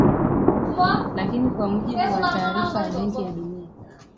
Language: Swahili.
Lakini kwa mujibu wa taarifaya Benki ya Dunia